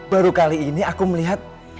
baru kali ini aku melihat